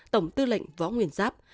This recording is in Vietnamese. tổng tư lệnh võ nguyên giáp